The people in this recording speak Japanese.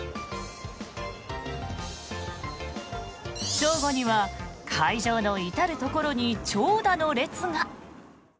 正午には会場の至るところに長蛇の列が。